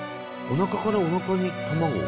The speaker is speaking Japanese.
おなかからおなかに卵を？